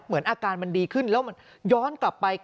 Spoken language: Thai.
เหมือนอาการมันดีขึ้นแล้วมันย้อนกลับไป